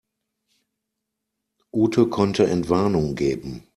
Ute konnte Entwarnung geben.